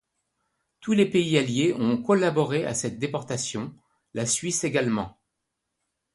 Tous les pays alliés ont collaboré à cette déportation, la Suisse également.